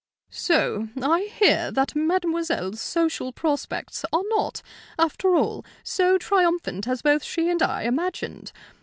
"So I hear that mademoiselle's social prospects are not, after all, so triumphant as both she and I imagined.